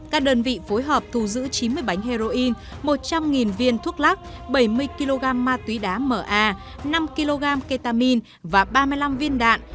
các đơn vị phối hợp thu giữ chín mươi bánh heroin một trăm linh viên thuốc lắc bảy mươi kg ma túy đá ma năm kg ketamine và ba mươi năm viên đạn